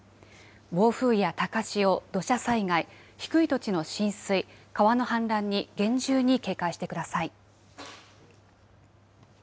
暴風や高潮、土砂災害、低い土地の浸水、川の氾濫に厳重に警戒してください。